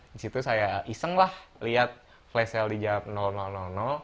disitu saya iseng lah lihat flash sale di jawab